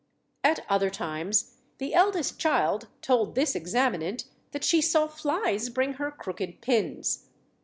At other times, the eldest child told this examinant that she saw flies bring her crooked pins.